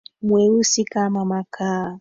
Mweusi kama makaa.